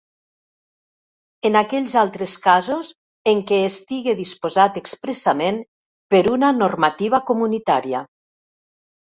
En aquells altres casos en què estigui disposat expressament per una normativa comunitària.